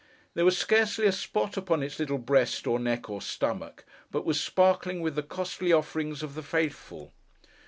There was scarcely a spot upon its little breast, or neck, or stomach, but was sparkling with the costly offerings of the Faithful.